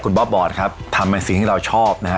คุณบ๊อบบอร์ดครับทำเป็นสิ่งที่เราชอบนะฮะ